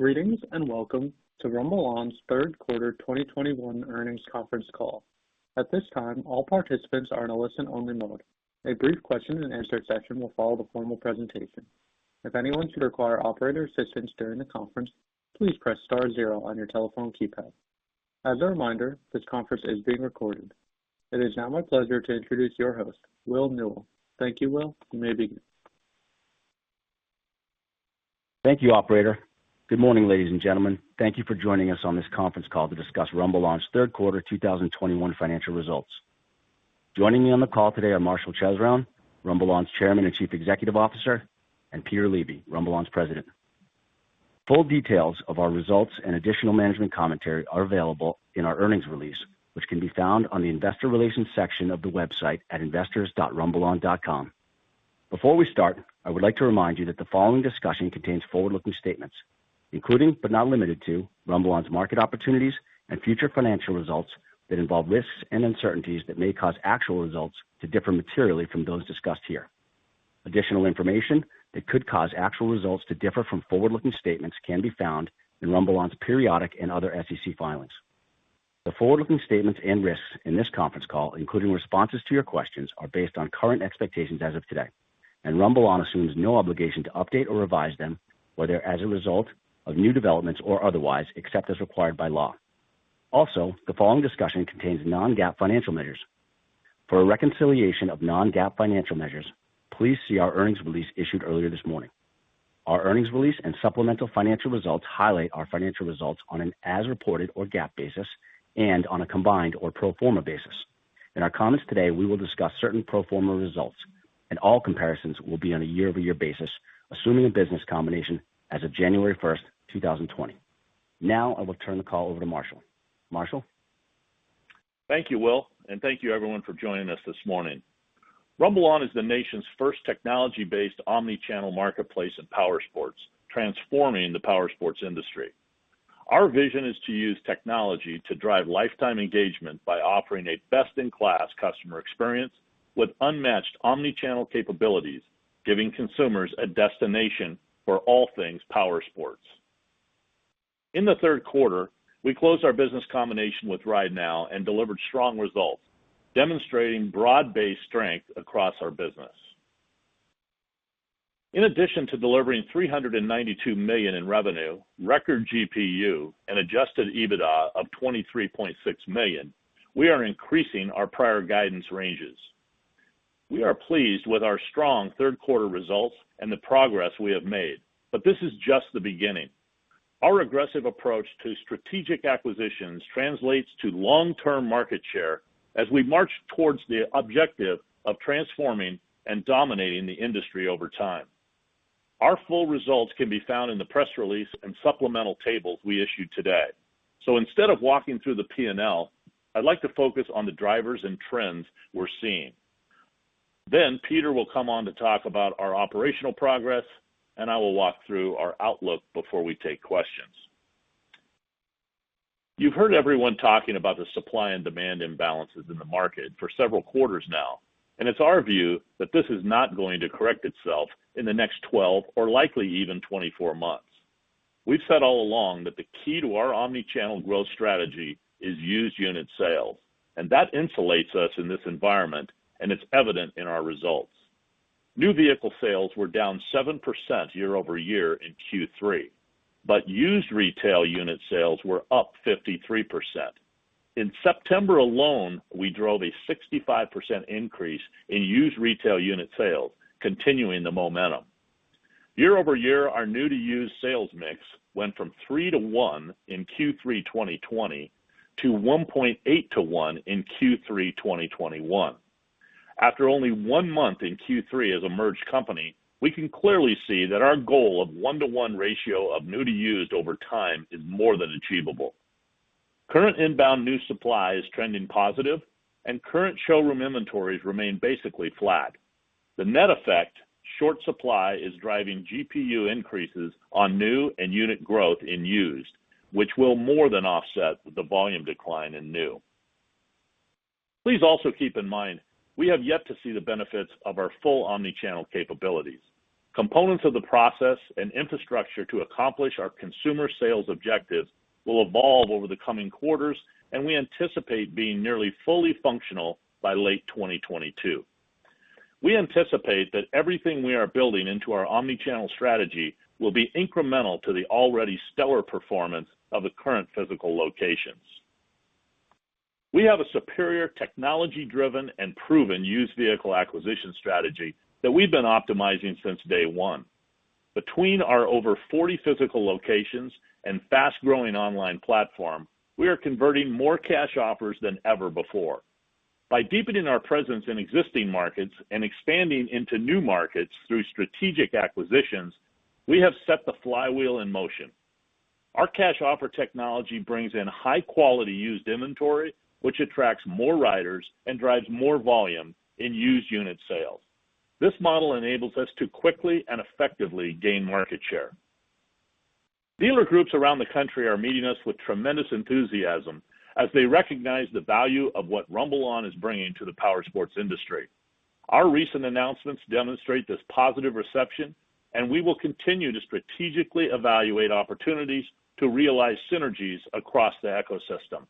Greetings, and welcome to RumbleOn's Third Quarter 2021 Earnings Conference Call. At this time, all participants are in a listen-only mode. A brief question and answer session will follow the formal presentation. If anyone should require operator assistance during the conference, please press star zero on your telephone keypad. As a reminder, this conference is being recorded. It is now my pleasure to introduce your host, Will Newell. Thank you, Will. You may begin. Thank you, operator. Good morning, ladies and gentlemen. Thank you for joining us on this conference call to discuss RumbleOn's third quarter 2021 financial results. Joining me on the call today are Marshall Chesrown, RumbleOn's Chairman and Chief Executive Officer, and Peter Levy, RumbleOn's President. Full details of our results and additional management commentary are available in our earnings release, which can be found on the Investor Relations section of the website at investors.rumbleon.com. Before we start, I would like to remind you that the following discussion contains forward-looking statements, including, but not limited to, RumbleOn's market opportunities and future financial results that involve risks and uncertainties that may cause actual results to differ materially from those discussed here. Additional information that could cause actual results to differ from forward-looking statements can be found in RumbleOn's periodic and other SEC filings. The forward-looking statements and risks in this conference call, including responses to your questions, are based on current expectations as of today, and RumbleOn assumes no obligation to update or revise them, whether as a result of new developments or otherwise, except as required by law. Also, the following discussion contains non-GAAP financial measures. For a reconciliation of non-GAAP financial measures, please see our earnings release issued earlier this morning. Our earnings release and supplemental financial results highlight our financial results on an as-reported or GAAP basis and on a combined or pro forma basis. In our comments today, we will discuss certain pro forma results, and all comparisons will be on a year-over-year basis, assuming a business combination as of January 1, 2020. Now I will turn the call over to Marshall. Marshall. Thank you, Will, and thank you everyone for joining us this morning. RumbleOn is the nation's first technology-based omni-channel marketplace in powersports, transforming the powersports industry. Our vision is to use technology to drive lifetime engagement by offering a best-in-class customer experience with unmatched omni-channel capabilities, giving consumers a destination for all things powersports. In the third quarter, we closed our business combination with RideNow and delivered strong results, demonstrating broad-based strength across our business. In addition to delivering $392 million in revenue, record GPU, and adjusted EBITDA of $23.6 million, we are increasing our prior guidance ranges. We are pleased with our strong third quarter results and the progress we have made, but this is just the beginning. Our aggressive approach to strategic acquisitions translates to long-term market share as we march towards the objective of transforming and dominating the industry over time. Our full results can be found in the press release and supplemental tables we issued today. Instead of walking through the P&L, I'd like to focus on the drivers and trends we're seeing. Peter will come on to talk about our operational progress, and I will walk through our outlook before we take questions. You've heard everyone talking about the supply and demand imbalances in the market for several quarters now, and it's our view that this is not going to correct itself in the next 12 or likely even 24 months. We've said all along that the key to our omni-channel growth strategy is used unit sales, and that insulates us in this environment, and it's evident in our results. New vehicle sales were down 7% year-over-year in Q3, but used retail unit sales were up 53%. In September alone, we drove a 65% increase in used retail unit sales, continuing the momentum. Year-over-year, our new to used sales mix went from 3-to-1 in Q3 2020 to 1.8-to-1 in Q3 2021. After only one month in Q3 as a merged company, we can clearly see that our goal of 1-to-1 ratio of new to used over time is more than achievable. Current inbound new supply is trending positive, and current showroom inventories remain basically flat. The net effect, short supply, is driving GPU increases on new and unit growth in used, which will more than offset the volume decline in new. Please also keep in mind, we have yet to see the benefits of our full omni-channel capabilities. Components of the process and infrastructure to accomplish our consumer sales objectives will evolve over the coming quarters, and we anticipate being nearly fully functional by late 2022. We anticipate that everything we are building into our omni-channel strategy will be incremental to the already stellar performance of the current physical locations. We have a superior technology-driven and proven used vehicle acquisition strategy that we've been optimizing since day one. Between our over 40 physical locations and fast-growing online platform, we are converting more cash offers than ever before. By deepening our presence in existing markets and expanding into new markets through strategic acquisitions, we have set the flywheel in motion. Our Cash Offer technology brings in high-quality used inventory, which attracts more riders and drives more volume in used unit sales. This model enables us to quickly and effectively gain market share. Dealer groups around the country are meeting us with tremendous enthusiasm as they recognize the value of what RumbleOn is bringing to the powersports industry. Our recent announcements demonstrate this positive reception, and we will continue to strategically evaluate opportunities to realize synergies across the ecosystem.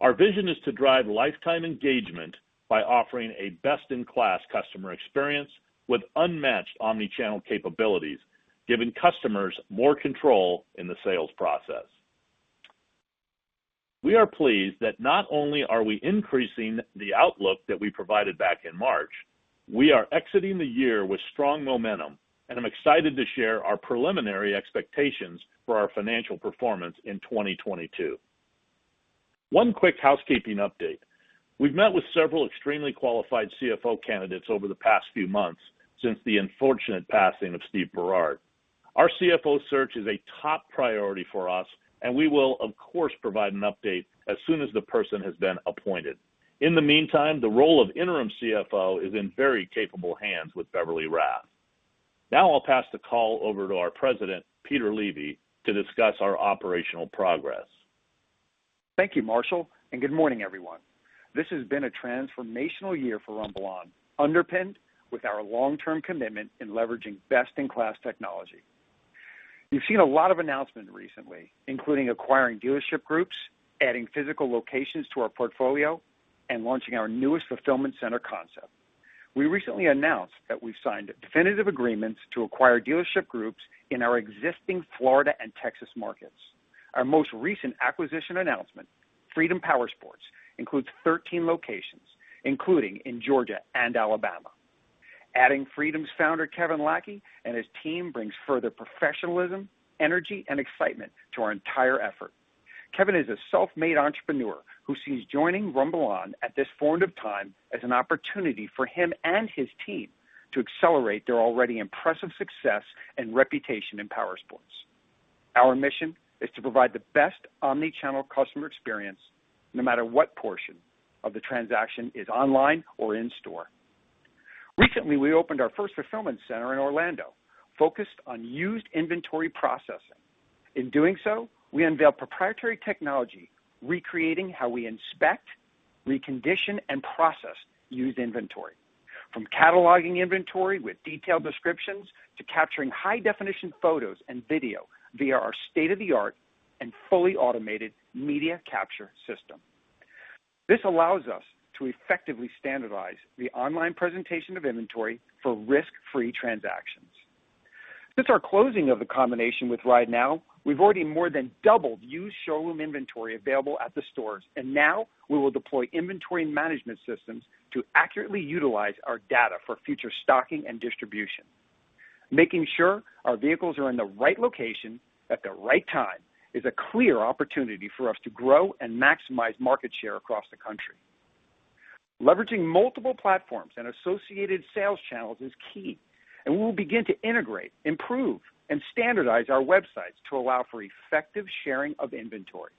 Our vision is to drive lifetime engagement by offering a best-in-class customer experience with unmatched omni-channel capabilities, giving customers more control in the sales process. We are pleased that not only are we increasing the outlook that we provided back in March, we are exiting the year with strong momentum, and I'm excited to share our preliminary expectations for our financial performance in 2022. One quick housekeeping update. We've met with several extremely qualified CFO candidates over the past few months since the unfortunate passing of Steve Berard. Our CFO search is a top priority for us, and we will, of course, provide an update as soon as the person has been appointed. In the meantime, the role of Interim CFO is in very capable hands with Beverly Rath. Now I'll pass the call over to our President, Peter Levy, to discuss our operational progress. Thank you, Marshall, and good morning, everyone. This has been a transformational year for RumbleOn, underpinned with our long-term commitment in leveraging best-in-class technology. You've seen a lot of announcements recently, including acquiring dealership groups, adding physical locations to our portfolio, and launching our newest fulfillment center concept. We recently announced that we've signed definitive agreements to acquire dealership groups in our existing Florida and Texas markets. Our most recent acquisition announcement, Freedom Powersports, includes 13 locations, including in Georgia and Alabama. Adding Freedom's founder, Kevin Lackey, and his team brings further professionalism, energy, and excitement to our entire effort. Kevin is a self-made entrepreneur who sees joining RumbleOn at this point of time as an opportunity for him and his team to accelerate their already impressive success and reputation in powersports. Our mission is to provide the best omni-channel customer experience no matter what portion of the transaction is online or in store. Recently, we opened our first fulfillment center in Orlando focused on used inventory processing. In doing so, we unveiled proprietary technology recreating how we inspect, recondition, and process used inventory, from cataloging inventory with detailed descriptions to capturing high-definition photos and video via our state-of-the-art and fully automated media capture system. This allows us to effectively standardize the online presentation of inventory for risk-free transactions. Since our closing of the combination with RideNow, we've already more than doubled used showroom inventory available at the stores, and now we will deploy inventory management systems to accurately utilize our data for future stocking and distribution. Making sure our vehicles are in the right location at the right time is a clear opportunity for us to grow and maximize market share across the country. Leveraging multiple platforms and associated sales channels is key, and we'll begin to integrate, improve, and standardize our websites to allow for effective sharing of inventory,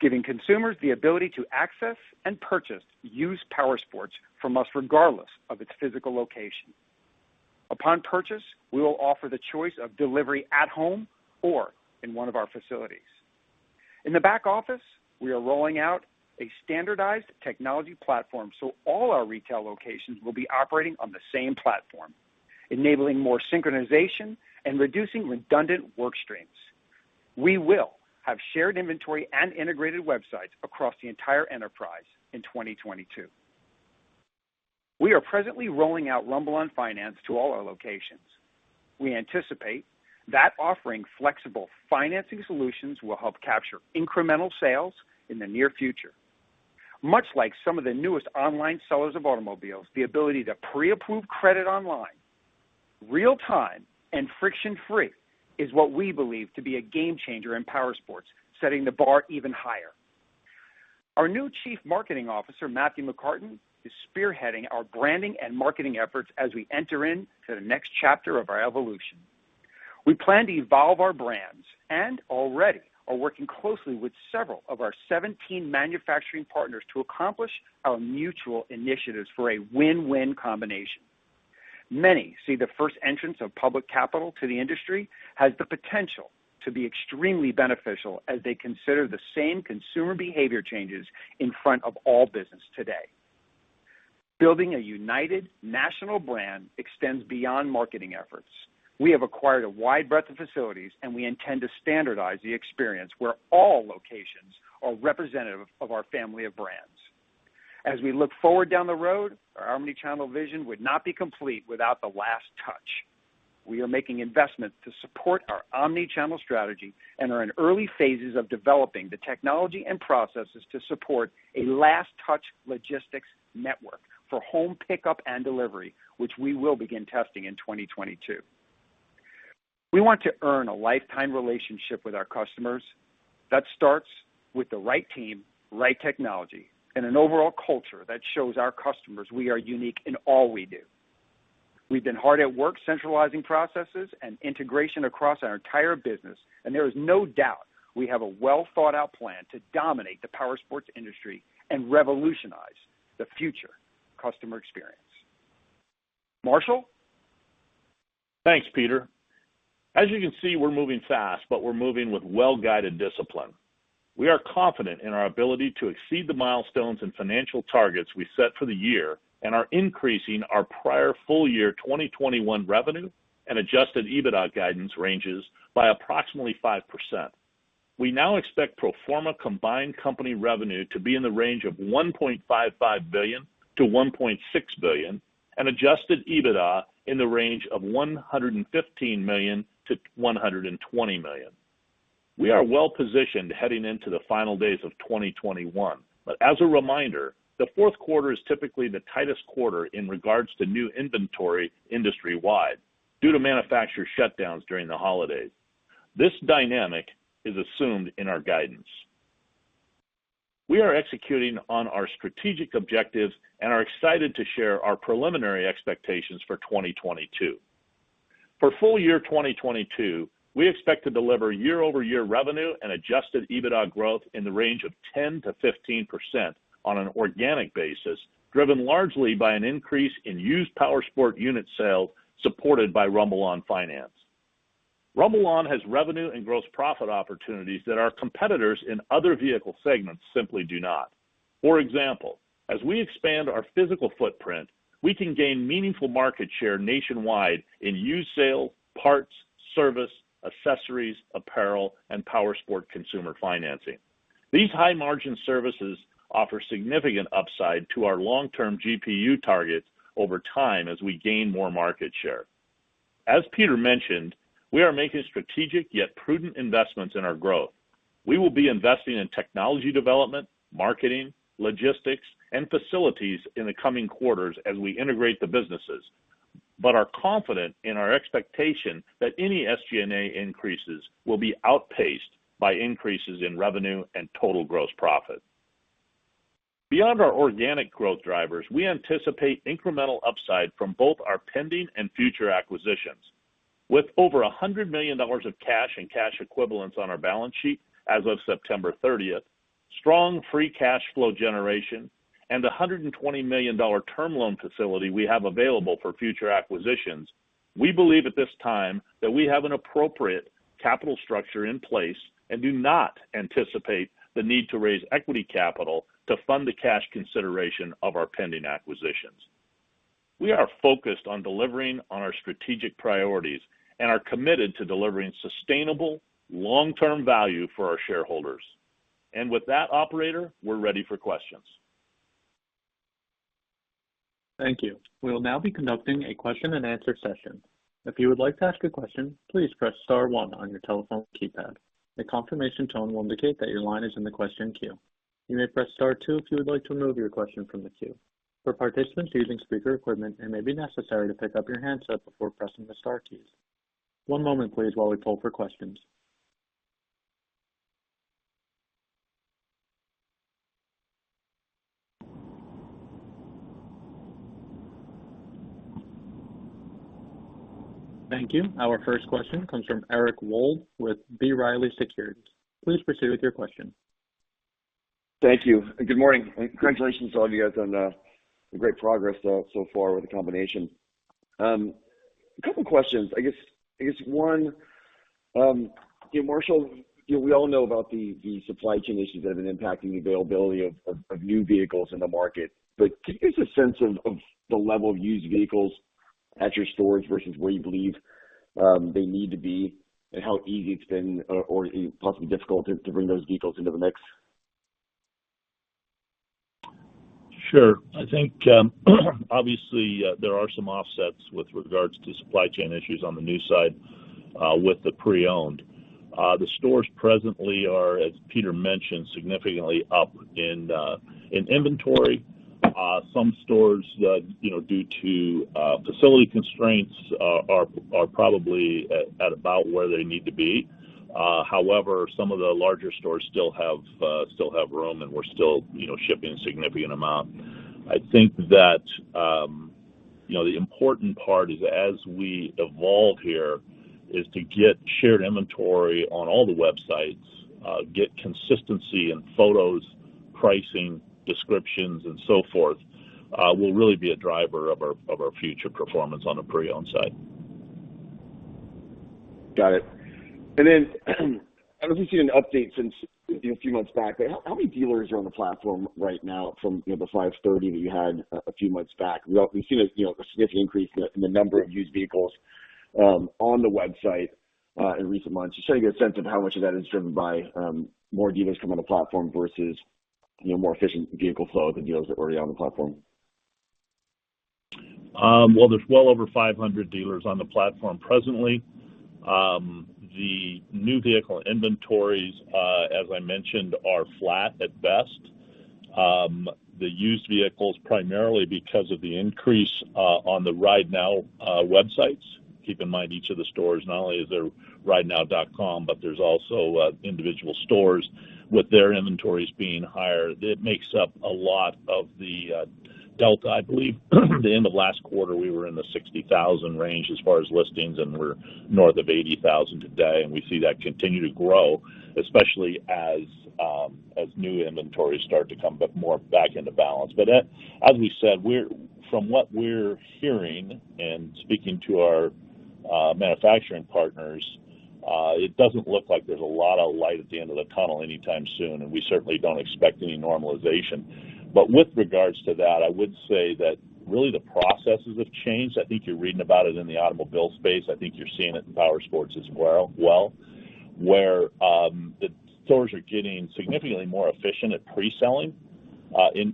giving consumers the ability to access and purchase used powersports from us regardless of its physical location. Upon purchase, we will offer the choice of delivery at home or in one of our facilities. In the back office, we are rolling out a standardized technology platform, so all our retail locations will be operating on the same platform, enabling more synchronization and reducing redundant work streams. We will have shared inventory and integrated websites across the entire enterprise in 2022. We are presently rolling out RumbleOn Finance to all our locations. We anticipate that offering flexible financing solutions will help capture incremental sales in the near future. Much like some of the newest online sellers of automobiles, the ability to pre-approve credit online real-time and friction-free is what we believe to be a game changer in powersports, setting the bar even higher. Our new Chief Marketing Officer, Matthew McCartin, is spearheading our branding and marketing efforts as we enter into the next chapter of our evolution. We plan to evolve our brands and already are working closely with several of our 17 manufacturing partners to accomplish our mutual initiatives for a win-win combination. Many see the first entrance of public capital to the industry has the potential to be extremely beneficial as they consider the same consumer behavior changes in front of all business today. Building a united national brand extends beyond marketing efforts. We have acquired a wide breadth of facilities, and we intend to standardize the experience where all locations are representative of our family of brands. As we look forward down the road, our omni-channel vision would not be complete without the last touch. We are making investments to support our omni-channel strategy and are in early phases of developing the technology and processes to support a last touch logistics network for home pickup and delivery, which we will begin testing in 2022. We want to earn a lifetime relationship with our customers. That starts with the right team, right technology, and an overall culture that shows our customers we are unique in all we do. We've been hard at work centralizing processes and integration across our entire business, and there is no doubt we have a well-thought-out plan to dominate the powersports industry and revolutionize the future customer experience. Marshall? Thanks, Peter. As you can see, we're moving fast, but we're moving with well-guided discipline. We are confident in our ability to exceed the milestones and financial targets we set for the year and are increasing our prior full year 2021 revenue and adjusted EBITDA guidance ranges by approximately 5%. We now expect pro forma combined company revenue to be in the range of $1.55 billion-$1.6 billion and adjusted EBITDA in the range of $115 million-$120 million. We are well-positioned heading into the final days of 2021. As a reminder, the fourth quarter is typically the tightest quarter in regards to new inventory industry-wide due to manufacturer shutdowns during the holidays. This dynamic is assumed in our guidance. We are executing on our strategic objectives and are excited to share our preliminary expectations for 2022. For full year 2022, we expect to deliver year-over-year revenue and adjusted EBITDA growth in the range of 10%-15% on an organic basis, driven largely by an increase in used powersports unit sales supported by RumbleOn Finance. RumbleOn has revenue and gross profit opportunities that our competitors in other vehicle segments simply do not. For example, as we expand our physical footprint, we can gain meaningful market share nationwide in used sales, parts, service, accessories, apparel, and powersports consumer financing. These high-margin services offer significant upside to our long-term GPU targets over time as we gain more market share. As Peter mentioned, we are making strategic yet prudent investments in our growth. We will be investing in technology development, marketing, logistics, and facilities in the coming quarters as we integrate the businesses, but are confident in our expectation that any SG&A increases will be outpaced by increases in revenue and total gross profit. Beyond our organic growth drivers, we anticipate incremental upside from both our pending and future acquisitions. With over $100 million of cash and cash equivalents on our balance sheet as of September 30, strong free cash flow generation and a $120 million term loan facility we have available for future acquisitions, we believe at this time that we have an appropriate capital structure in place and do not anticipate the need to raise equity capital to fund the cash consideration of our pending acquisitions. We are focused on delivering on our strategic priorities and are committed to delivering sustainable long-term value for our shareholders. With that operator, we're ready for questions. Thank you. We will now be conducting a question and answer session. If you would like to ask a question, please press star one on your telephone keypad. A confirmation tone will indicate that your line is in the question queue. You may press star two if you would like to remove your question from the queue. For participants using speaker equipment, it may be necessary to pick up your handset before pressing the star keys. One moment, please, while we poll for questions. Thank you. Our first question comes from Eric Wold with B. Riley Securities. Please proceed with your question. Thank you. Good morning, and congratulations to all of you guys on the great progress so far with the combination. A couple questions. I guess one, you know, Marshall, you know, we all know about the supply chain issues that have been impacting the availability of new vehicles in the market. But can you give us a sense of the level of used vehicles at your stores versus where you believe they need to be and how easy it's been or possibly difficult to bring those vehicles into the mix? Sure. I think, obviously, there are some offsets with regards to supply chain issues on the new side, with the pre-owned. The stores presently are, as Peter mentioned, significantly up in inventory. Some stores that, you know, due to facility constraints are probably at about where they need to be. However, some of the larger stores still have room, and we're still, you know, shipping a significant amount. I think that, you know, the important part is, as we evolve here, is to get shared inventory on all the websites, get consistency in photos, pricing, descriptions, and so forth, will really be a driver of our future performance on the pre-owned side. Got it. I don't know if you've seen an update since a few months back, but how many dealers are on the platform right now from, you know, the 530 that you had a few months back? We obviously seen a, you know, a significant increase in the number of used vehicles on the website in recent months. Just trying to get a sense of how much of that is driven by more dealers coming on the platform versus, you know, more efficient vehicle flow of the dealers that were already on the platform. Well, there's well over 500 dealers on the platform presently. The new vehicle inventories, as I mentioned, are flat at best. The used vehicles, primarily because of the increase on the RideNow websites. Keep in mind each of the stores, not only is there RideNow, but there's also individual stores with their inventories being higher. It makes up a lot of the delta. I believe the end of last quarter, we were in the 60,000 range as far as listings, and we're north of 80,000 today, and we see that continue to grow, especially as new inventories start to come back more back into balance. As we said, from what we're hearing and speaking to our manufacturing partners, it doesn't look like there's a lot of light at the end of the tunnel anytime soon, and we certainly don't expect any normalization. With regards to that, I would say that really the processes have changed. I think you're reading about it in the automobile space. I think you're seeing it in powersports as well, where the stores are getting significantly more efficient at pre-selling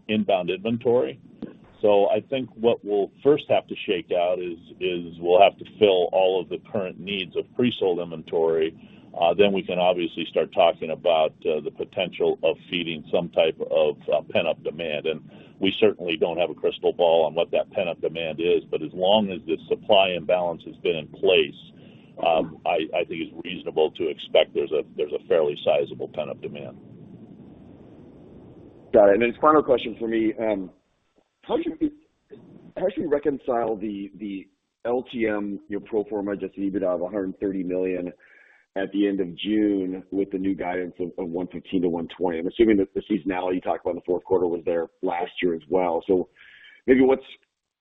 inbound inventory. I think what we'll first have to shake out is we'll have to fill all of the current needs of pre-sold inventory, then we can obviously start talking about the potential of feeding some type of pent-up demand. We certainly don't have a crystal ball on what that pent-up demand is. As long as this supply imbalance has been in place, I think it's reasonable to expect there's a fairly sizable pent-up demand. Got it. Final question for me. How should we reconcile the LTM, you know, pro forma adjusted EBITDA of $130 million at the end of June with the new guidance of $115 million-$120 million? I'm assuming that the seasonality you talked about in the fourth quarter was there last year as well. Maybe what's,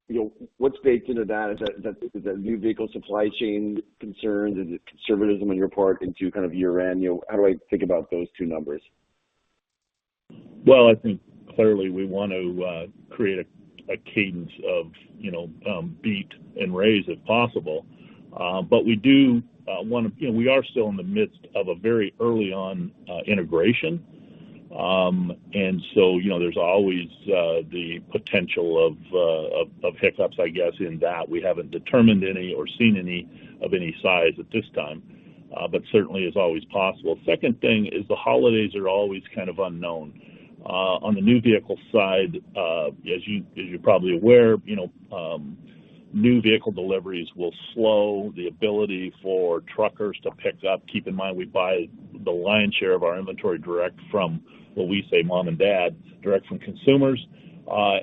you know, baked into that? Is that the new vehicle supply chain concerns? Is it conservatism on your part into kind of year-end? You know, how do I think about those two numbers? Well, I think clearly we want to create a cadence of, you know, beat and raise if possible. We do want to, you know, we are still in the midst of a very early on integration. You know, there's always the potential of hiccups, I guess, in that we haven't determined any or seen any of any size at this time, but certainly is always possible. Second thing is the holidays are always kind of unknown. On the new vehicle side, as you're probably aware, you know, new vehicle deliveries will slow the ability for truckers to pick up. Keep in mind, we buy the lion's share of our inventory direct from, what we say, mom and dad, direct from consumers,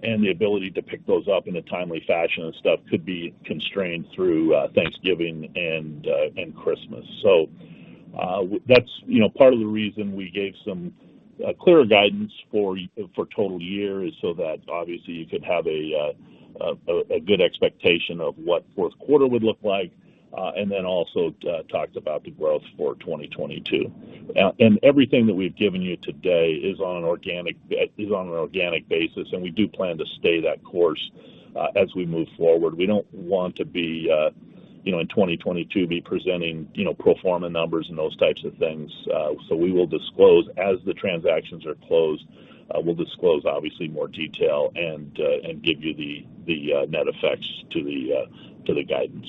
and the ability to pick those up in a timely fashion and stuff could be constrained through Thanksgiving and Christmas. That's, you know, part of the reason we gave some clearer guidance for total year is so that obviously you could have a good expectation of what fourth quarter would look like, and then also talks about the growth for 2022. Everything that we've given you today is on an organic basis, and we do plan to stay that course as we move forward. We don't want to be, you know, in 2022 be presenting, you know, pro forma numbers and those types of things. We will disclose as the transactions are closed. We'll disclose obviously more detail and give you the net effects to the guidance.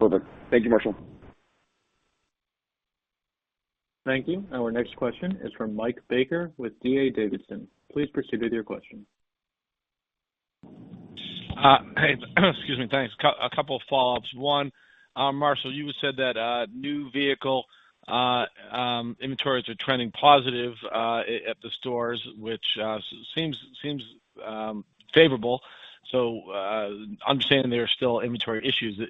Perfect. Thank you, Marshall. Thank you. Our next question is from Mike Baker with D.A. Davidson. Please proceed with your question. Hey, excuse me. Thanks. A couple of follow-ups. One, Marshall, you had said that new vehicle inventories are trending positive at the stores, which seems favorable. I'm saying there are still inventory issues.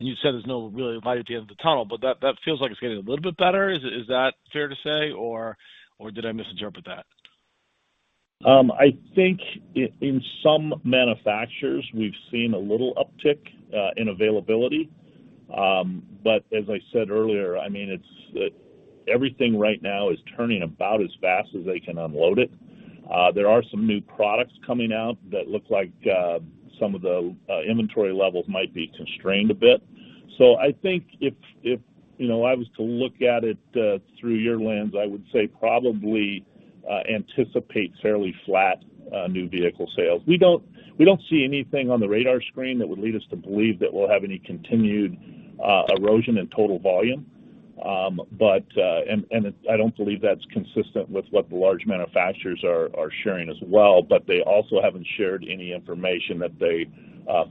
You said there's no real light at the end of the tunnel, but that feels like it's getting a little bit better. Is that fair to say, or did I misinterpret that? I think in some manufacturers, we've seen a little uptick in availability. As I said earlier, I mean, it's everything right now is turning about as fast as they can unload it. There are some new products coming out that look like some of the inventory levels might be constrained a bit. I think if you know, I was to look at it through your lens, I would say probably anticipate fairly flat new vehicle sales. We don't see anything on the radar screen that would lead us to believe that we'll have any continued erosion in total volume. I don't believe that's consistent with what the large manufacturers are sharing as well, but they also haven't shared any information that they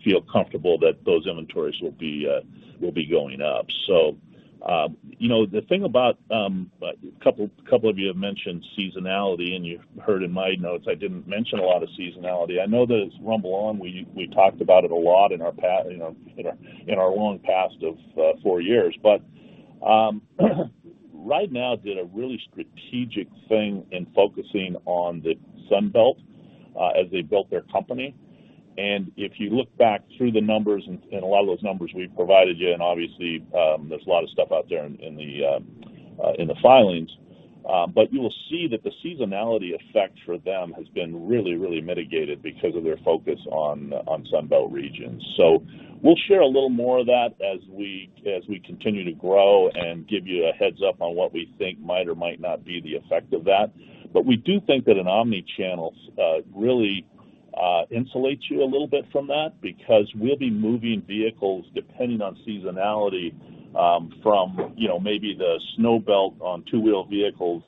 feel comfortable that those inventories will be going up. You know, the thing about a couple of you have mentioned seasonality, and you heard in my notes, I didn't mention a lot of seasonality. I know that it's RumbleOn. We talked about it a lot, you know, in our long past of four years. RideNow did a really strategic thing in focusing on the Sun Belt as they built their company. If you look back through the numbers and a lot of those numbers we've provided you, and obviously, there's a lot of stuff out there in the filings, but you will see that the seasonality effect for them has been really mitigated because of their focus on Sun Belt regions. We'll share a little more of that as we continue to grow and give you a heads-up on what we think might or might not be the effect of that. We do think that an omni-channel really insulates you a little bit from that because we'll be moving vehicles depending on seasonality from, you know, maybe the Snow Belt on two-wheeled vehicles.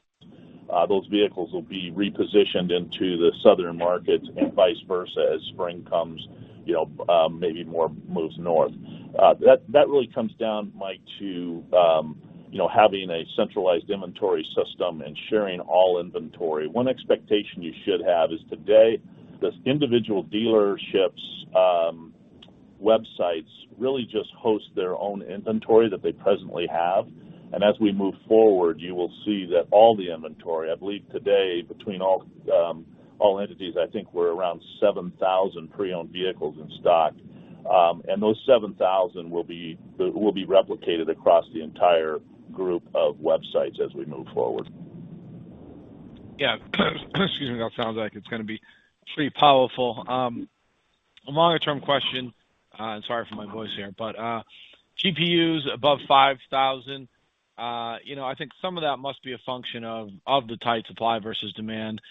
Those vehicles will be repositioned into the southern markets and vice versa as spring comes, you know, maybe more moves north. That really comes down, Mike, to, you know, having a centralized inventory system and sharing all inventory. One expectation you should have is today, the individual dealerships' websites really just host their own inventory that they presently have. As we move forward, you will see that all the inventory, I believe today, between all entities, I think we're around 7,000 pre-owned vehicles in stock. Those 7,000 will be replicated across the entire group of websites as we move forward. Yeah. Excuse me. That sounds like it's gonna be pretty powerful. A longer-term question, sorry for my voice here, but, ASPs above $5,000, you know, I think some of that must be a function of the tight supply versus demand.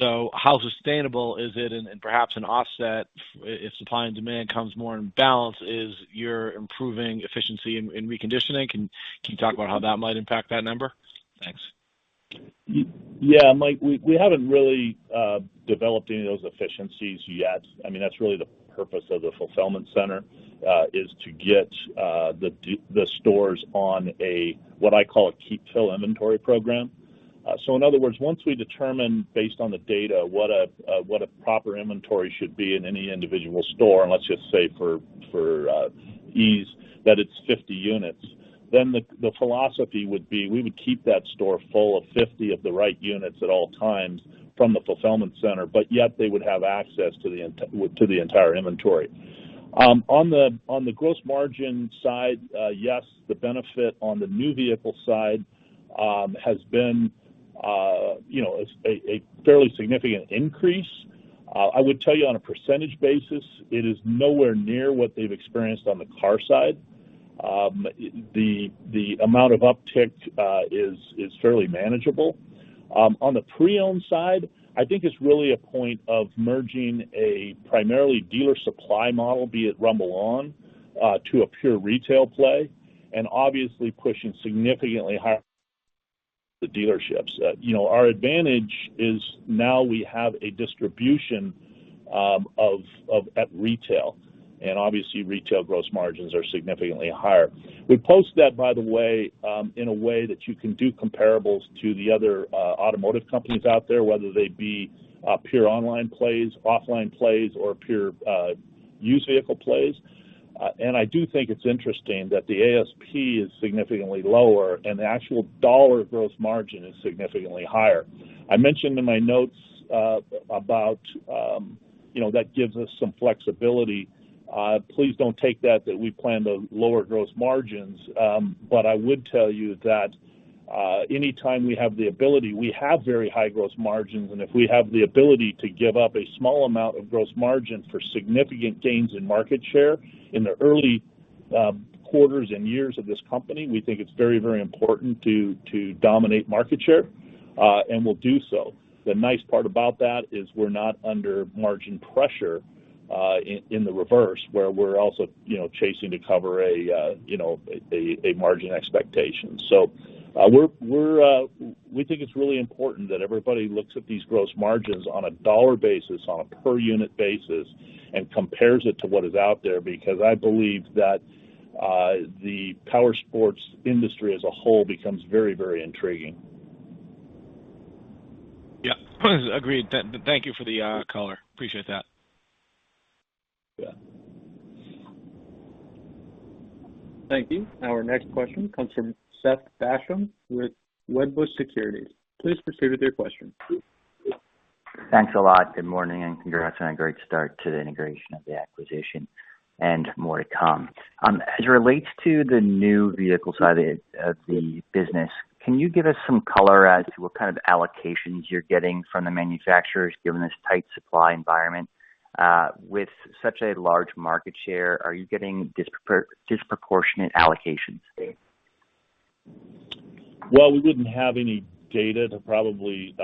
How sustainable is it and perhaps an offset if supply and demand comes more in balance, is your improving efficiency in reconditioning? Can you talk about how that might impact that number? Thanks. Yeah, Mike, we haven't really developed any of those efficiencies yet. I mean, that's really the purpose of the fulfillment center is to get the stores on a what I call a keep full inventory program. In other words, once we determine based on the data what a proper inventory should be in any individual store, and let's just say for ease that it's 50 units, then the philosophy would be we would keep that store full of 50 of the right units at all times from the fulfillment center, but yet they would have access to the entire inventory. On the gross margin side, yes, the benefit on the new vehicle side has been you know a fairly significant increase. I would tell you on a percentage basis, it is nowhere near what they've experienced on the car side. The amount of uptick is fairly manageable. On the pre-owned side, I think it's really a point of merging a primarily dealer supply model, be it RumbleOn, to a pure retail play, and obviously pushing significantly higher the dealerships. You know, our advantage is now we have a distribution of at retail, and obviously retail gross margins are significantly higher. We post that, by the way, in a way that you can do comparables to the other automotive companies out there, whether they be pure online plays, offline plays, or pure used vehicle plays. I do think it's interesting that the ASP is significantly lower and the actual dollar gross margin is significantly higher. I mentioned in my notes, you know, that gives us some flexibility. Please don't take that we plan to lower gross margins. I would tell you that anytime we have the ability, we have very high gross margins, and if we have the ability to give up a small amount of gross margin for significant gains in market share in the early quarters and years of this company, we think it's very, very important to dominate market share, and we'll do so. The nice part about that is we're not under margin pressure in the reverse, where we're also, you know, chasing to cover a, you know, a margin expectation. We're We think it's really important that everybody looks at these gross margins on a dollar basis, on a per unit basis, and compares it to what is out there because I believe that the powersports industry as a whole becomes very, very intriguing. Yeah. Agreed. Thank you for the, color. Appreciate that. Yeah. Thank you. Our next question comes from Seth Basham with Wedbush Securities. Please proceed with your question. Thanks a lot. Good morning, and congrats on a great start to the integration of the acquisition and more to come. As it relates to the new vehicle side of the business, can you give us some color as to what kind of allocations you're getting from the manufacturers given this tight supply environment? With such a large market share, are you getting disproportionate allocations? Well, we wouldn't have any data to probably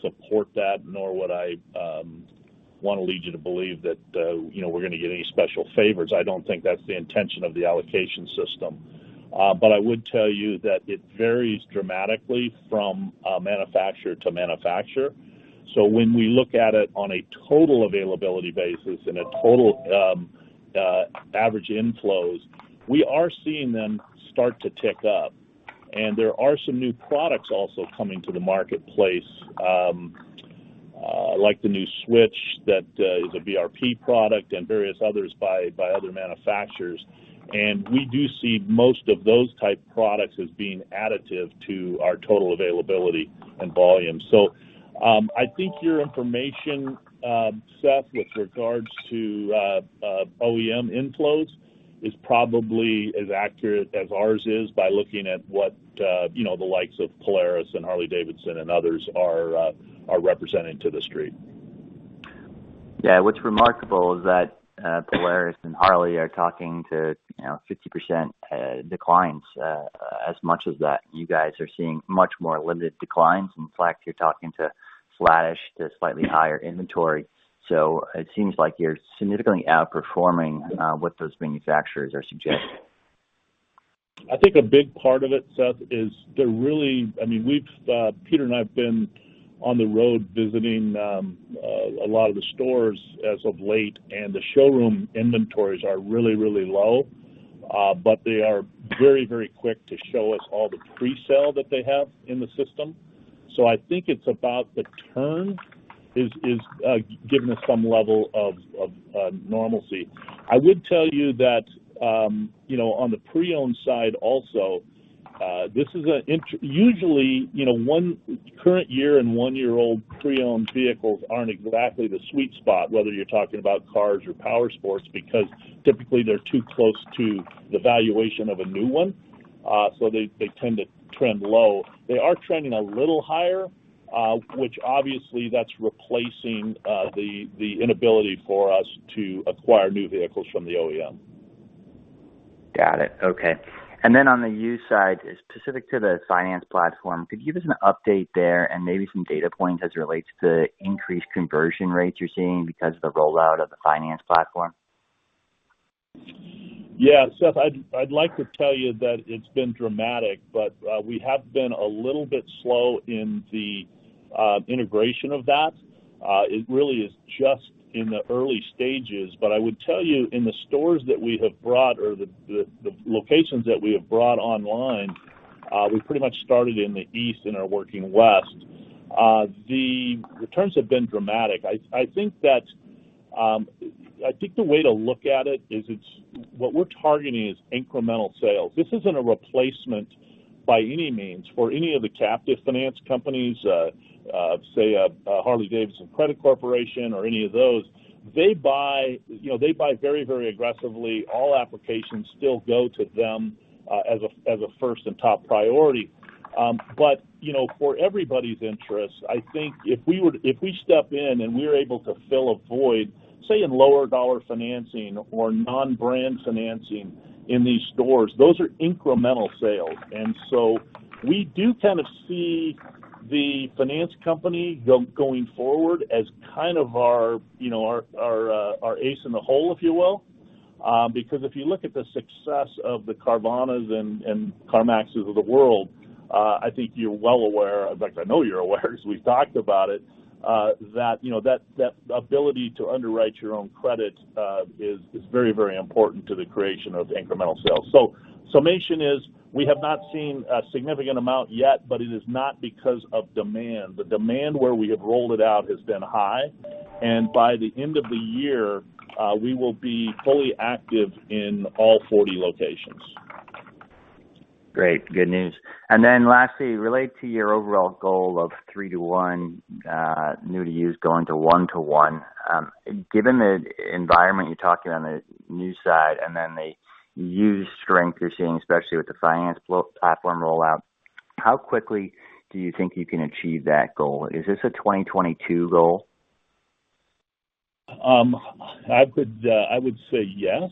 support that, nor would I wanna lead you to believe that, you know, we're gonna get any special favors. I don't think that's the intention of the allocation system. I would tell you that it varies dramatically from manufacturer to manufacturer. When we look at it on a total availability basis and a total average inflows, we are seeing them start to tick up. There are some new products also coming to the marketplace, like the new Switch that is a BRP product and various others by other manufacturers. We do see most of those type products as being additive to our total availability and volume. I think your information, Seth, with regards to OEM inflows is probably as accurate as ours is by looking at what, you know, the likes of Polaris and Harley-Davidson and others are representing to the street. Yeah. What's remarkable is that Polaris and Harley are talking to, you know, 50% declines, as much as that you guys are seeing much more limited declines. In fact, you're talking to flattish to slightly higher inventory. It seems like you're significantly outperforming what those manufacturers are suggesting. I think a big part of it, Seth, is there really, I mean, we, Peter and I, have been on the road visiting a lot of the stores as of late, and the showroom inventories are really, really low. They are very, very quick to show us all the presale that they have in the system. I think it's about the turnover giving us some level of normalcy. I would tell you that, you know, on the pre-owned side also, this is interesting. Usually, you know, one current year and one-year-old pre-owned vehicles aren't exactly the sweet spot, whether you're talking about cars or powersports, because typically they're too close to the valuation of a new one, so they tend to trend low. They are trending a little higher, which obviously that's replacing the inability for us to acquire new vehicles from the OEM. Got it. Okay. On the used side, specific to the finance platform, could you give us an update there and maybe some data points as it relates to increased conversion rates you're seeing because of the rollout of the finance platform? Yeah, Seth, I'd like to tell you that it's been dramatic, but we have been a little bit slow in the integration of that. It really is just in the early stages. I would tell you, in the stores that we have brought or the locations that we have brought online, we pretty much started in the East and are working West, the returns have been dramatic. I think the way to look at it is it's what we're targeting is incremental sales. This isn't a replacement by any means for any of the captive finance companies, say a Harley-Davidson Credit Corporation or any of those. They buy, you know, they buy very, very aggressively. All applications still go to them, as a first and top priority. You know, for everybody's interest, I think if we step in and we're able to fill a void, say in lower dollar financing or non-brand financing in these stores, those are incremental sales. We do kind of see the finance company going forward as kind of our, you know, our ace in the hole, if you will. Because if you look at the success of the Carvana's and CarMax's of the world, I think you're well aware, in fact I know you're aware as we've talked about it, that ability to underwrite your own credit is very important to the creation of incremental sales. Summation is, we have not seen a significant amount yet, but it is not because of demand. The demand where we have rolled it out has been high, and by the end of the year, we will be fully active in all 40 locations. Great. Good news. Lastly, related to your overall goal of 3-to-1 new to used going to 1-to-1, given the environment you talked about on the new side and then the used strength you're seeing, especially with the finance platform rollout, how quickly do you think you can achieve that goal? Is this a 2022 goal? I would say yes.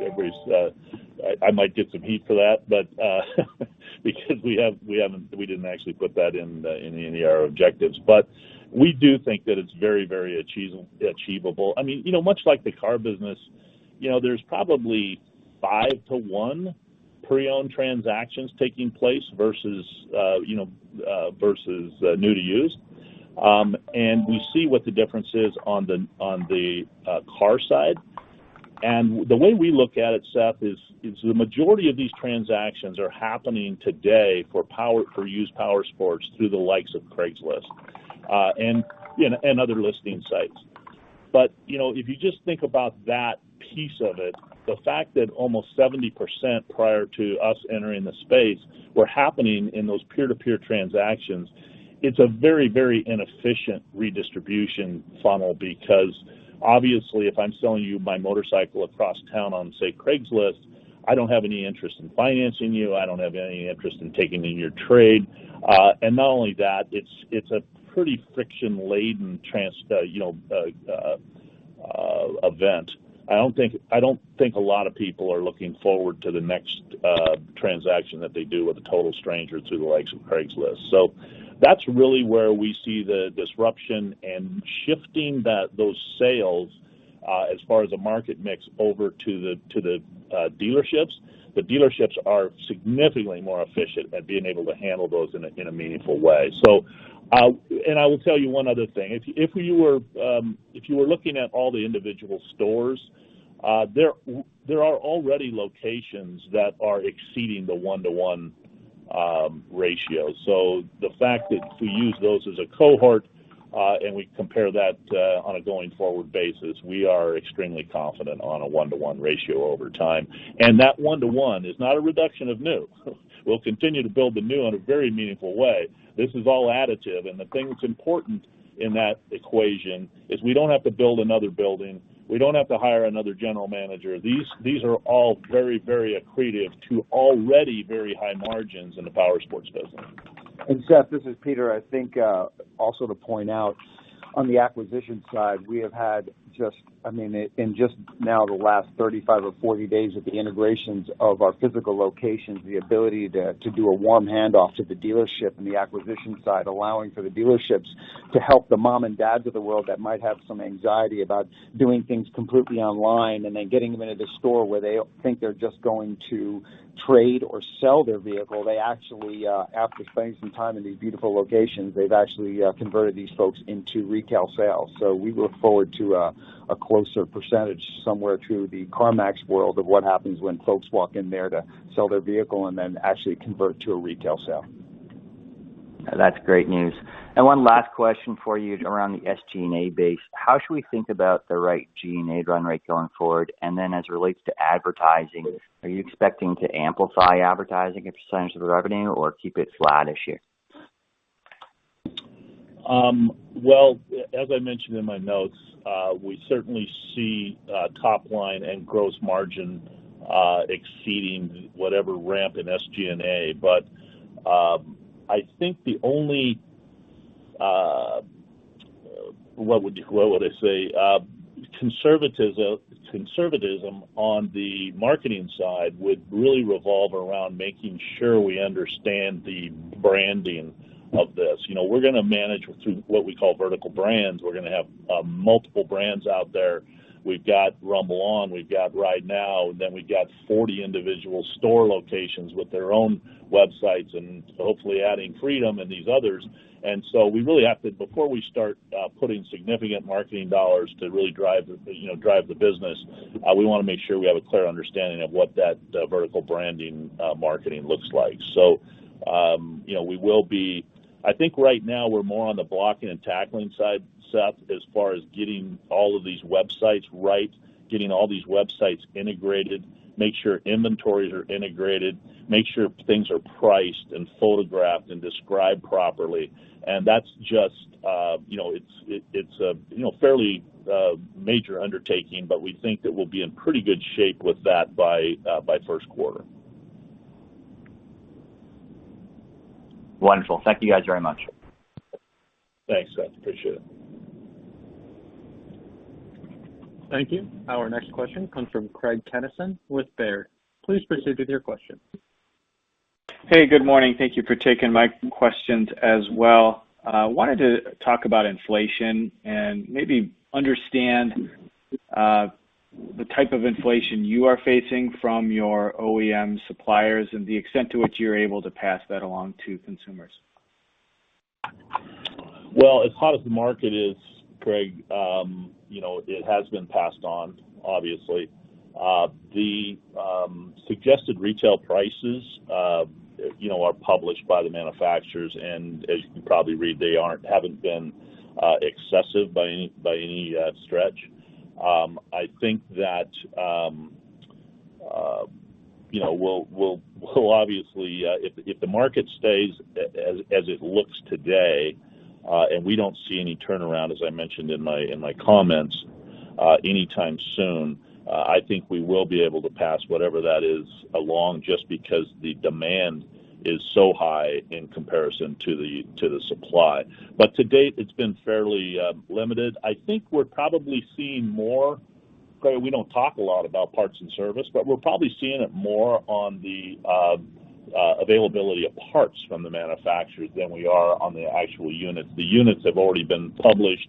If everybody's, I might get some heat for that, but because we didn't actually put that in any of our objectives. But we do think that it's very achievable. I mean, you know, much like the car business, you know, there's probably 5-to-1 pre-owned transactions taking place versus new to used. We see what the difference is on the car side. The way we look at it, Seth, is the majority of these transactions are happening today for used powersports through the likes of Craigslist and other listing sites. You know, if you just think about that piece of it, the fact that almost 70% prior to us entering the space were happening in those peer-to-peer transactions, it's a very, very inefficient redistribution funnel because obviously, if I'm selling you my motorcycle across town on, say, Craigslist, I don't have any interest in financing you. I don't have any interest in taking in your trade. And not only that, it's a pretty friction-laden event. I don't think a lot of people are looking forward to the next transaction that they do with a total stranger through the likes of Craigslist. So that's really where we see the disruption and shifting those sales, as far as the market mix over to the dealerships. The dealerships are significantly more efficient at being able to handle those in a meaningful way. I will tell you one other thing. If you were looking at all the individual stores, there are already locations that are exceeding the one-to-one ratio. The fact that if we use those as a cohort, and we compare that, on a going forward basis, we are extremely confident on a one-to-one ratio over time. That one-to-one is not a reduction of new. We'll continue to build the new in a very meaningful way. This is all additive, and the thing that's important in that equation is we don't have to build another building. We don't have to hire another general manager. These are all very, very accretive to already very high margins in the powersports business. Seth, this is Peter. I think also to point out on the acquisition side, we have had just, I mean, in just now the last 35 or 40 days of the integrations of our physical locations, the ability to do a warm handoff to the dealership and the acquisition side, allowing for the dealerships to help the moms and dads of the world that might have some anxiety about doing things completely online and then getting them into the store where they think they're just going to trade or sell their vehicle. They actually converted these folks into retail sales. We look forward to a closer percentage somewhere to the CarMax world of what happens when folks walk in there to sell their vehicle and then actually convert to a retail sale. That's great news. One last question for you around the SG&A base. How should we think about the right G&A run rate going forward? As it relates to advertising, are you expecting to amplify advertising as a percentage of the revenue or keep it flat this year? Well, as I mentioned in my notes, we certainly see top line and gross margin exceeding whatever ramp in SG&A. I think the only conservatism on the marketing side would really revolve around making sure we understand the branding of this. You know, we're gonna manage through what we call vertical brands. We're gonna have multiple brands out there. We've got RumbleOn, we've got RideNow, and then we've got 40 individual store locations with their own websites and hopefully adding Freedom and these others. We really have to before we start putting significant marketing dollars to really drive the business, you know, we wanna make sure we have a clear understanding of what that vertical branding marketing looks like. You know, we will be. I think right now we're more on the blocking and tackling side, Seth, as far as getting all of these websites right, getting all these websites integrated, make sure inventories are integrated, make sure things are priced and photographed and described properly. That's just, you know, it's a fairly major undertaking, but we think that we'll be in pretty good shape with that by first quarter. Wonderful. Thank you, guys, very much. Thanks, Seth. I appreciate it. Thank you. Our next question comes from Craig Kennison with Baird. Please proceed with your question. Hey, good morning. Thank you for taking my questions as well. Wanted to talk about inflation and maybe understand the type of inflation you are facing from your OEM suppliers and the extent to which you're able to pass that along to consumers. Well, as hot as the market is, Craig, you know, it has been passed on, obviously. The suggested retail prices, you know, are published by the manufacturers, and as you can probably read, they haven't been excessive by any stretch. I think that, you know, we'll obviously, if the market stays as it looks today, and we don't see any turnaround, as I mentioned in my comments, anytime soon, I think we will be able to pass whatever that is along just because the demand is so high in comparison to the supply. But to date, it's been fairly limited. I think we're probably seeing more Craig, we don't talk a lot about parts and service, but we're probably seeing it more on the availability of parts from the manufacturers than we are on the actual units. The units have already been published.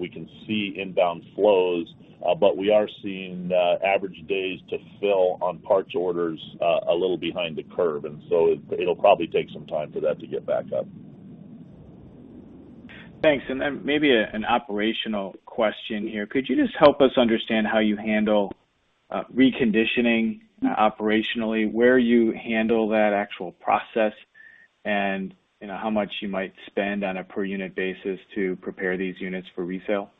We can see inbound flows, but we are seeing average days to fill on parts orders a little behind the curve. It'll probably take some time for that to get back up. Thanks. Maybe an operational question here. Could you just help us understand how you handle reconditioning operationally, where you handle that actual process and how much you might spend on a per unit basis to prepare these units for resale?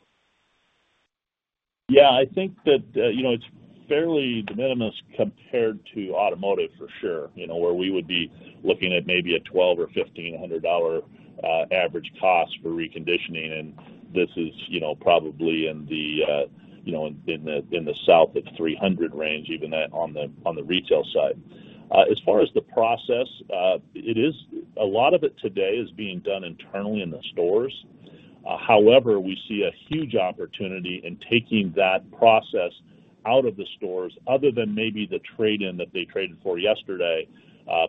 Yeah. I think that, you know, it's fairly de minimis compared to automotive for sure, you know, where we would be looking at maybe a $1,200 or $1,500 average cost for reconditioning, and this is, you know, probably in the south, it's $300 range even on the retail side. As far as the process, it is a lot of it today is being done internally in the stores. However, we see a huge opportunity in taking that process out of the stores other than maybe the trade-in that they traded for yesterday,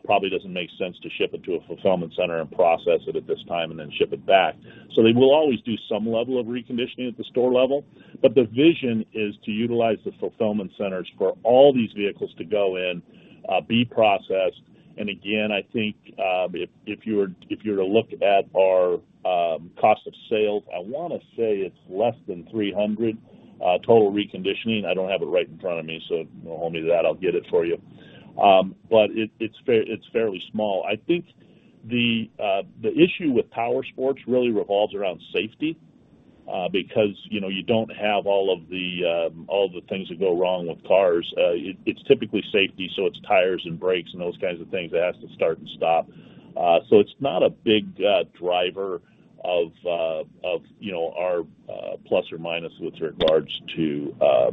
probably doesn't make sense to ship it to a fulfillment center and process it at this time, and then ship it back. They will always do some level of reconditioning at the store level, but the vision is to utilize the fulfillment centers for all these vehicles to go in, be processed. Again, I think if you were to look at our cost of sales, I wanna say it's less than $300 total reconditioning. I don't have it right in front of me, so don't hold me to that. I'll get it for you. But it's fairly small. I think the issue with powersports really revolves around safety, because you know, you don't have all the things that go wrong with cars. It's typically safety, so it's tires and brakes and those kinds of things. It has to start and stop. It's not a big driver of you know our plus or minus with regards to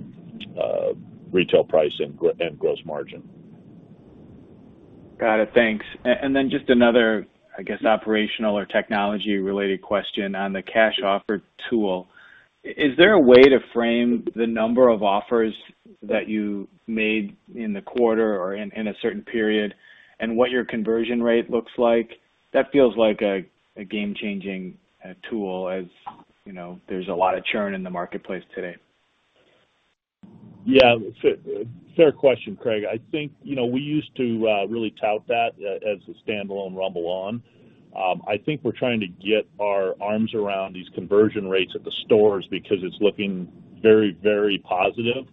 retail price and gross margin. Got it. Thanks. Just another, I guess, operational or technology-related question on the Cash Offer tool. Is there a way to frame the number of offers that you made in the quarter or in a certain period and what your conversion rate looks like? That feels like a game-changing tool as you know, there's a lot of churn in the marketplace today. Yeah. Fair question, Craig. I think, you know, we used to really tout that as a standalone RumbleOn. I think we're trying to get our arms around these conversion rates at the stores because it's looking very, very positive.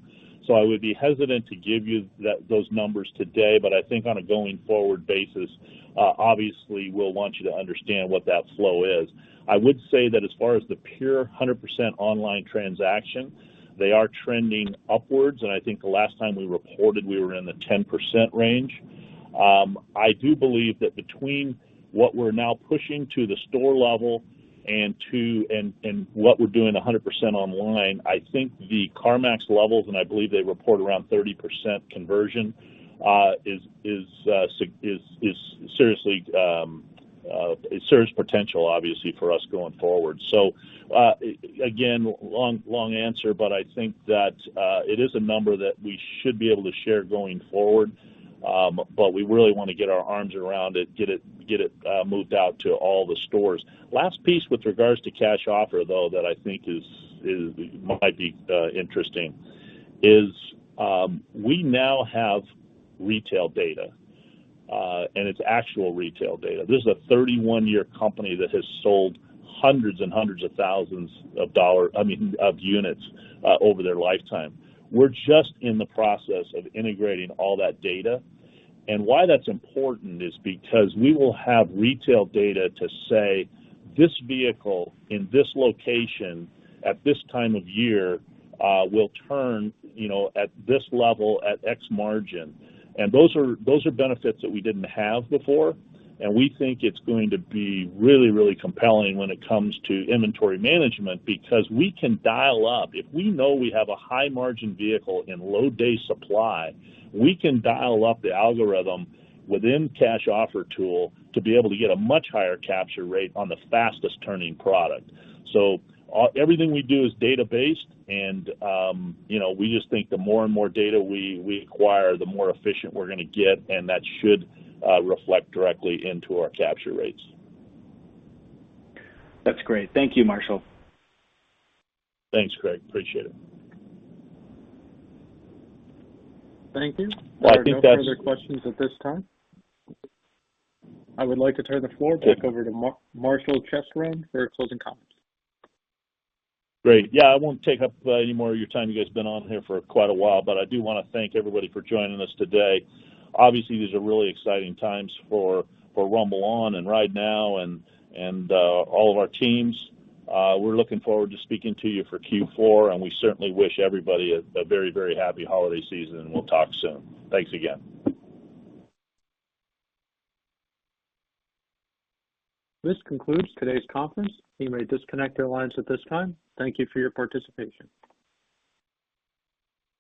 I would be hesitant to give you that, those numbers today. But I think on a going forward basis, obviously we'll want you to understand what that flow is. I would say that as far as the pure 100% online transaction, they are trending upwards, and I think the last time we reported, we were in the 10% range. I do believe that between what we're now pushing to the store level and what we're doing 100% online, I think the CarMax levels, and I believe they report around 30% conversion, is seriously. It has serious potential obviously for us going forward. Again, long answer, but I think that it is a number that we should be able to share going forward. But we really wanna get our arms around it, get it moved out to all the stores. Last piece with regards to Cash Offer though that I think might be interesting is we now have retail data, and it's actual retail data. This is a 31-year company that has sold hundreds of thousands of dollars, I mean, of units over their lifetime. We're just in the process of integrating all that data. Why that's important is because we will have retail data to say, "This vehicle in this location at this time of year will turn, you know, at this level at X margin." Those are benefits that we didn't have before, and we think it's going to be really, really compelling when it comes to inventory management because we can dial up if we know we have a high-margin vehicle and low day supply. We can dial up the algorithm within Cash Offer tool to be able to get a much higher capture rate on the fastest turning product. Everything we do is data-based, and you know, we just think the more and more data we acquire, the more efficient we're gonna get, and that should reflect directly into our capture rates. That's great. Thank you, Marshall. Thanks, Craig. Appreciate it. Thank you. I think that's. There are no further questions at this time. I would like to turn the floor back over to Marshall Chesrown for closing comments. Great. Yeah, I won't take up any more of your time. You guys been on here for quite a while. I do wanna thank everybody for joining us today. Obviously, these are really exciting times for RumbleOn and RideNow and all of our teams. We're looking forward to speaking to you for Q4, and we certainly wish everybody a very happy holiday season, and we'll talk soon. Thanks again. This concludes today's conference. You may disconnect your lines at this time. Thank you for your participation.